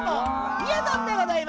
みやぞんでございます。